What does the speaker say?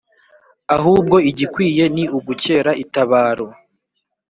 Ahubwo igikwiye ni ugukera itabaro